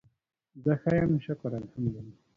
زه ښه یم شکر الحمدالله